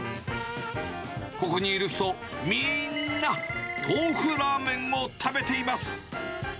ここにいる人、みんなトーフラーメンを食べています。